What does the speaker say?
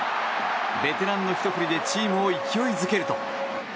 ベテランのひと振りでチームを勢いづけると。